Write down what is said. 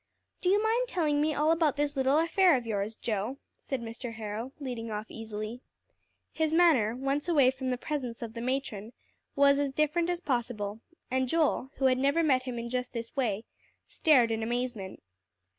"Do you mind telling me all about this little affair of yours, Joe?" said Mr. Harrow, leading off easily. His manner, once away from the presence of the matron, was as different as possible; and Joel, who had never met him in just this way, stared in amazement.